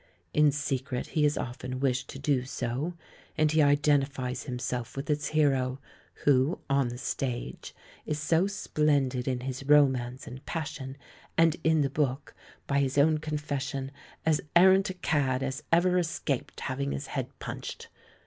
In secret he has often wished to do so ; and he iden tifies himself with its hero, who, on the stage, is so splendid in his romance and passion, and in the book, by his own confession, as arrant a cad as ever escaped having his head punched.